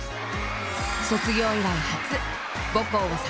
卒業以来初！